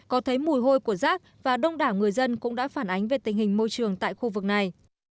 có thấy mùi hôi của rác và đông đảo người dân cũng đã phản ánh về tình hình môi trường tại khu vực này